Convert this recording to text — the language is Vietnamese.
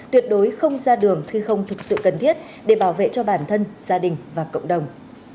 tuyệt đối không ra đường khi không thực sự cần thiết để bảo vệ cho bản thân gia đình và cộng đồng